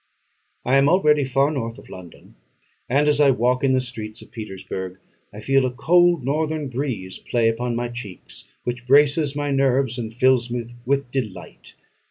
I am already far north of London; and as I walk in the streets of Petersburgh, I feel a cold northern breeze play upon my cheeks, which braces my nerves, and fills me with delight.